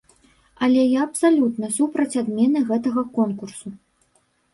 Але я абсалютна супраць адмены гэтага конкурсу.